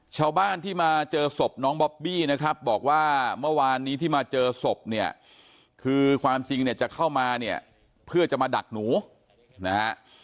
ชาวบ้านที่มาเจอศพน้องบอบบี้นะครับบอกว่าเมื่อวานนี้ที่มาเจอศพเนี่ยคือความจริงเนี่ยจะเข้ามาเนี่ยเพื่อจะมาดักหนูนะฮะ